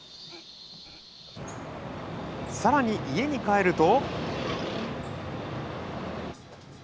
更に家に帰ると。